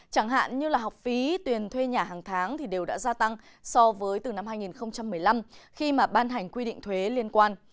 chẳng hạn như là học phí tuyền thuê nhà hàng tháng thì đều đã gia tăng so với từ năm hai nghìn một mươi năm khi mà ban hành quy định thuế liên quan